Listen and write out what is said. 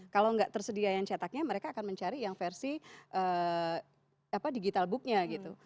kalau enggak tersedia yang cetaknya mereka akan mencari yang versi digital book nya gitu